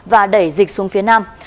và đẩy dịch xuống phía nam